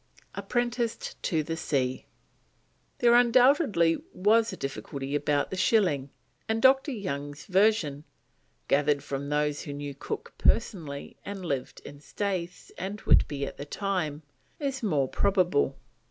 APPRENTICED TO THE SEA. There undoubtedly was a difficulty about a shilling, and Dr. Young's version, gathered from those who knew Cook personally and lived in Staithes and Whitby at the time, is more probable.